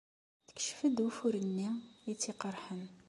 Tekcef-d ufur-nni ay tt-iqerḥen.